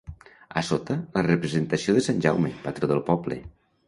A sota, la representació de sant Jaume, patró del poble.